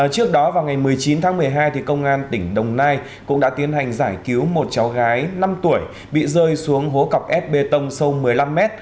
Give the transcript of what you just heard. trước đó vào ngày một mươi chín tháng một mươi hai công an tỉnh đồng nai cũng đã tiến hành giải cứu một cháu gái năm tuổi bị rơi xuống hố cọc ép bê tông sâu một mươi năm mét